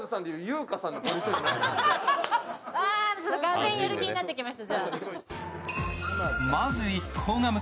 俄然やる気になってきました。